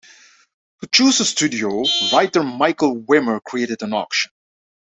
To choose a studio, writer Michael Wimer created an auction.